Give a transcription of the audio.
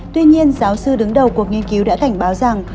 tuy nhiên giáo sư đứng đầu cuộc nghiên cứu đã cảnh báo rằng